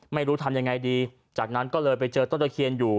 ไม่รู้ทำยังไงดีจากนั้นก็เลยไปเจอต้นตะเคียนอยู่